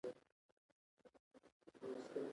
لومړني مباني یې په تله کې راوتلي.